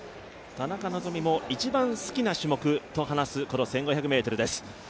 田中希実も一番好きな種目と話す、この１５００ｍです。